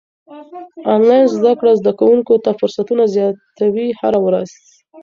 انلاين زده کړه زده کوونکو ته فرصتونه زياتوي هره ورځ.